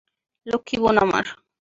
লক্ষী বোন আমার।